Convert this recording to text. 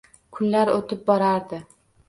Kunlar o`tib borardi